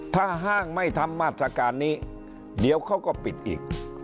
ถ้าห้างไม่ทำมาตรการนี้เดี๋ยวเขาก็ปิดอีก